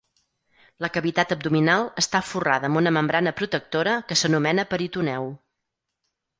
La cavitat abdominal està folrada amb una membrana protectora que s'anomena peritoneu.